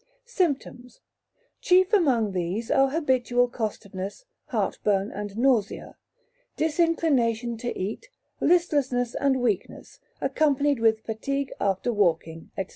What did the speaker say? Symptoms. Chief among these are habitual costiveness, heartburn and nausea, disinclination to eat, listlessness and weakness, accompanied with fatigue after walking, &c.